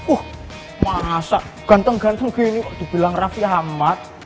uh masa ganteng ganteng gini waktu bilang rapi amat